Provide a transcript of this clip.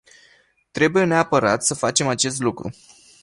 Trebuie neapărat să facem acest lucru.